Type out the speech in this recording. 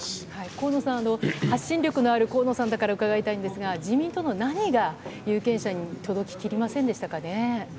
河野さん、発信力のある河野さんだから伺いたいんですが、自民党の何が有権者に届き切りませんでしたかね。